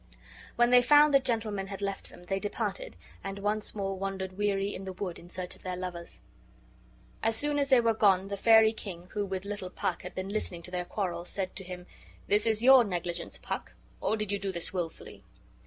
When they found the gentlemen had left them, they departed, and once more wandered weary in the wood in search of their lovers. As soon as they were gone the fairy king, who with little Puck had been listening to their quarrels, said to him, "This is your negligence, Puck; or did you do this wilfully?"